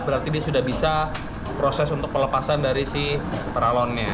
berarti dia sudah bisa proses untuk pelepasan dari si peralonnya